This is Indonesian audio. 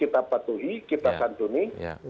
kita patuhi kita santuni